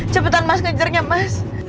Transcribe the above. cepetan mas mengejarnya mas